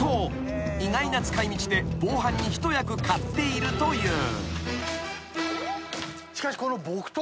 ［意外な使い道で防犯に一役買っているという］